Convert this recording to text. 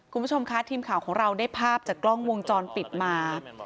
คุณผู้ชมคะทีมข่าวของเราได้ภาพจากกล้องวงจรปิดมา